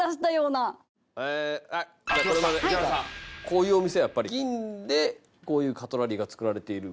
こういうお店やっぱり銀でこういうカトラリーが作られている。